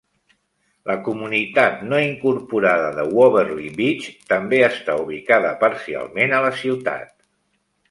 La comunitat no incorporada de Waverly Beach també està ubicada parcialment a la ciutat.